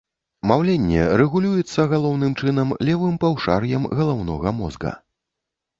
Маўленне рэгулюецца, галоўным чынам, левым паўшар'ем галаўнога мозга.